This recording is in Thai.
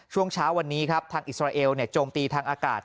ช่วงเช้าวันนี้ครับทางอิสราเอลโจมตีทางอากาศ